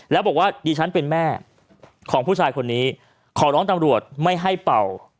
แล้วบอกว่าดิฉันเป็นแม่ของผู้ชายคนนี้ขอร้องตำรวจไม่ให้เป่า